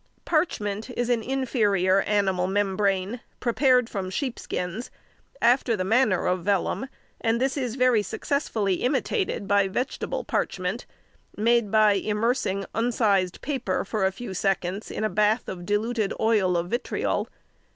Parchment is an inferior animal membrane prepared from sheepskins after the manner of vellum, and this is very successfully imitated by vegetable parchment, made by immersing unsized paper for a few seconds in a bath of diluted oil of vitriol.